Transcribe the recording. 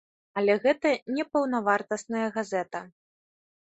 Але гэта не паўнавартасная газета.